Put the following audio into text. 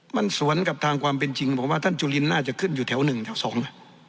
มันสวนกับทางความเป็นจริงผมว่าท่านจุลินน่าจะขึ้นอยู่แถวหนึ่งแถวสองนะ